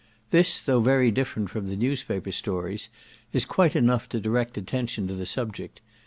This, though very different from the newspaper stories, is quite enough to direct attention to the subject.